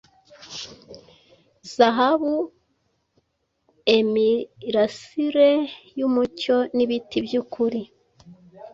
Zahabu Aimirasire yumucyo, nibiti byukuri,